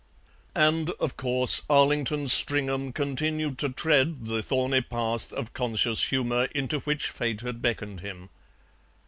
And, of course, Arlington Stringham continued to tread the thorny path of conscious humour into which Fate had beckoned him.